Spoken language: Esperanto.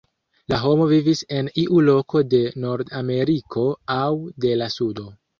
La homo vivis en iu loko de Nord-Ameriko aŭ de la Sudo.